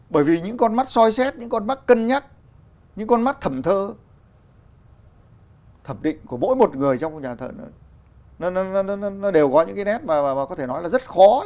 bởi vì những con mắt soi xét những con mắt cân nhắc những con mắt thẩm thơ thẩm định của mỗi một người trong một nhà thơ